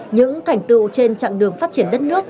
những thành tựu trên chặng đường phát triển đất nước